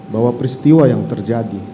bahwa peristiwa yang terjadi